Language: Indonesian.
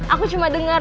aku cuma denger